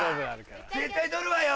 絶対取るわよ！